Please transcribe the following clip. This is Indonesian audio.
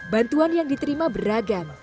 bantuan yang diterima beragam